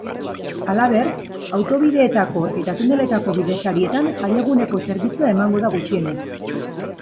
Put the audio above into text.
Halaber, autobideetako eta tuneletako bide-sarietan jaieguneko zerbitzua emango da gutxienez.